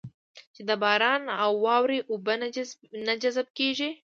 چې د باران او واورې اوبه نه جذب کېږي.